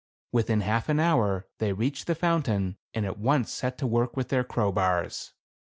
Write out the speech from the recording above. Within half an hour they reached the fountain, and at once set to work with their crowbars.